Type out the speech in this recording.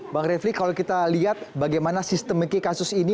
bang refli kalau kita lihat bagaimana sistemik kasus ini